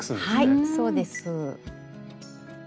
はいそうです。